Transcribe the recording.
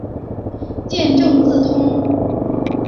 见正字通。